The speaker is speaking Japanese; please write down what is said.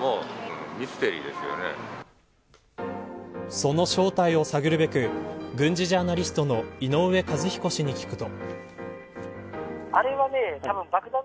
その正体を探るべく軍事ジャーナリストの井上和彦氏に聞くと。